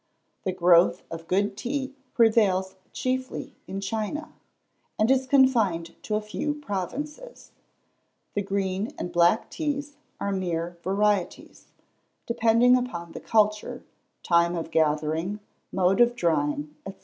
The growth of good tea prevails chiefly in China, and is confined to a few provinces. The green and black teas are mere varieties, depending upon the culture, time of gathering, mode of drying, &c.